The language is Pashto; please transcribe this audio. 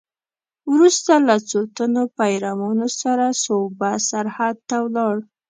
وروسته له څو تنو پیروانو سره صوبه سرحد ته ولاړ.